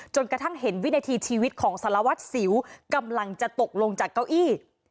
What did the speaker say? กระทั่งเห็นวินาทีชีวิตของสารวัตรสิวกำลังจะตกลงจากเก้าอี้